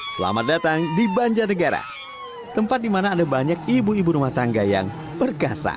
selamat datang di banjarnegara tempat di mana ada banyak ibu ibu rumah tangga yang perkasa